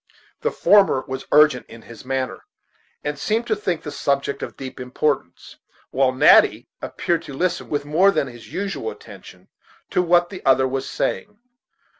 The former was urgent in his manner, and seemed to think the subject of deep importance, while Natty appeared to listen with more than his usual attention to what the other was saying.